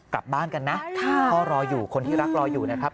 กลับบ้านกันนะพ่อรออยู่คนที่รักรออยู่นะครับ